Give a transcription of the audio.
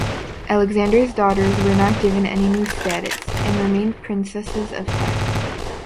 Alexander's daughters were not given any new status, and remained Princesses of Teck.